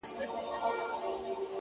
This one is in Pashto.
يو نه دی چي و تاته په سرو سترگو ژاړي!